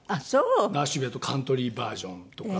ナッシュビルだとカントリーバージョンとか。